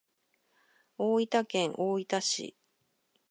大分県大分市